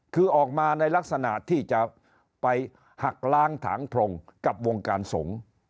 คือออกมาในลักษณะที่จะไปหักล้างถางพรงกับวงการสงฆ์